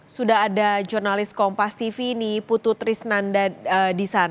sudah ada jurnalis kompas tv ini putu trisnanda di sana